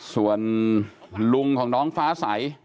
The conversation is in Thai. ส่วนลุงของน้องฟ้าใส